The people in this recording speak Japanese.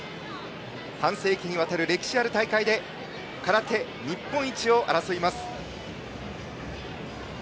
半世紀にわたる歴史ある大会で空手日本一を争います。